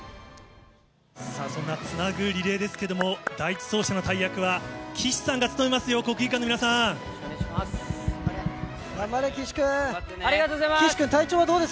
さあ、そんなつなぐリレーですけれども、第１走者の大役は岸さんが務めまよろしくお願いします。